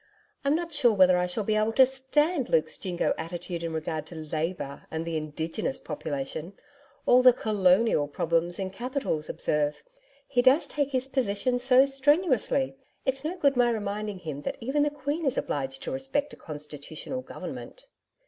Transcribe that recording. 'I'm not sure whether I shall be able to stand Luke's Jingo attitude in regard to Labour and the Indigenous Population all the Colonial problems in capitals, observe. He does take his position so strenuously; it's no good my reminding him that even the Queen is obliged to respect a Constitutional government.'